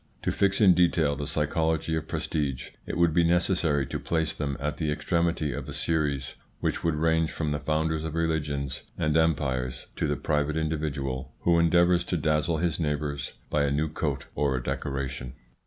To fix in detail the psychology of prestige, it would be necessary to place them at the extremity of a series, which would range from the founders of religions and empires to the private individual who endeavours to dazzle his neighbours by a new coat or a decoration.